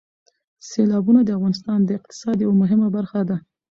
سیلابونه د افغانستان د اقتصاد یوه مهمه برخه ده.